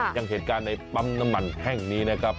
อย่างเหตุการณ์ในปั๊มน้ำมันแห่งนี้นะครับ